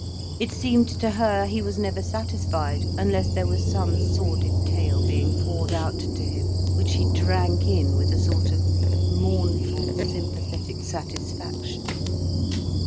It seemed to her he was never satisfied unless there was some sordid tale being poured out to him, which he drank in with a sort of mournful, sympathetic satisfaction.